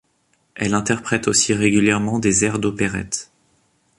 Elle interprète aussi régulièrement des airs d'opérette.